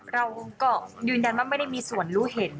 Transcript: เราก็ยืนยันว่าไม่ได้มีส่วนรู้เห็น